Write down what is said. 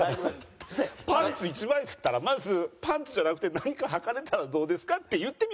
パンツ一枚だったらまず「パンツじゃなくて何かはかれたらどうですか」って言ってみませんか？